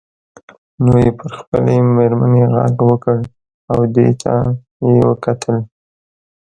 نو یې پر خپلې میرمنې غږ وکړ او دې ته یې وکتل.